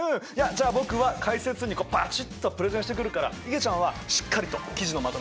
じゃあ僕は解説委員にバチッとプレゼンしてくるからいげちゃんはしっかりと記事のまとめに入ってね。